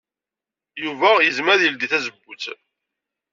Yuba yezmer ad yeldey tazewwut.